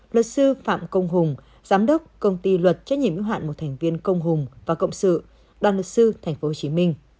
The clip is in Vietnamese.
luật sư phạm công hùng giám đốc công ty luật trách nhiệm ứng hạn một thành viên công hùng và cộng sự đoàn luật sư tp hcm